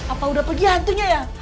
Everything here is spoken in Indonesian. apa udah pergi hantunya ya